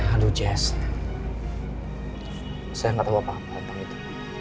aduh jess saya gak tau apa apa tentang itu